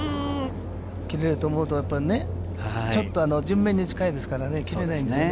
切れると思うと、ちょっと順目に近いですからね、切れないんですね。